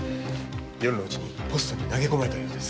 夜のうちにポストに投げ込まれたようです。